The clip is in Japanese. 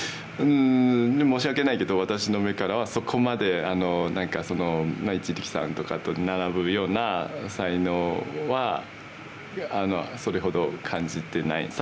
うん申し訳ないけど私の目からはそこまで何か一力さんとかと並ぶような才能はそれほど感じてない。